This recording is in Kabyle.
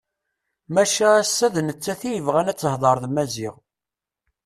Maca ass-a d nettat i yebɣan ad tehder d Maziɣ.